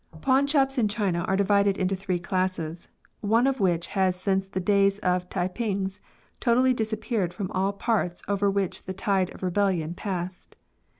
PAWNBROKERS. 55 Pawnshops in China are divided into three classes, one of which has since the days of the Tai p mgs totally disappeared from all parts over which the tide of rebellion passed.